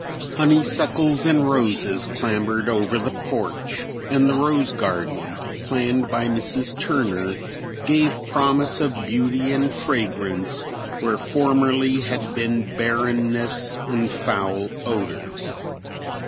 Honeysuckles and roses clambered over the porch, and the rose garden, planned by Mrs. Turner, gave promise of beauty and fragrance where formerly had been barrenness and foul odors.